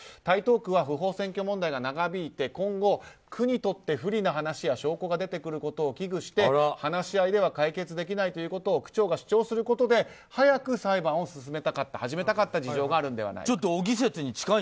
台東区は不法占拠問題が長引いて今後、区にとって不利な話や証拠が出てくることを危惧して話し合いでは解決できないということを区長が主張することで早く裁判を始めたかった事情があるのではないかと。